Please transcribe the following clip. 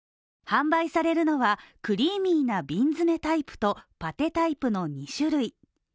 販売されるのは、クリーミーな瓶詰めタイプとパテタイプの２種類。